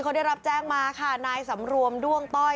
เขาได้รับแจ้งมาค่ะนายสำรวมด้วงต้อย